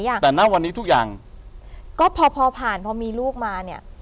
แต่ณวันนี้ทุกอย่างก็พอพอผ่านพอมีลูกมาเนี้ย